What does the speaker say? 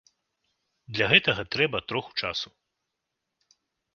Для гэтага трэба троху часу.